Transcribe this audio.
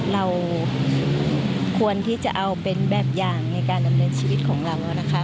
เราควรที่จะเอาเป็นแบบอย่างในการดำเนินชีวิตของเรานะคะ